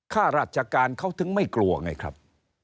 ข้าราชการเขาถึงไม่กลัวไงครับ